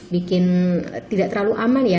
bikin tidak terlalu aman ya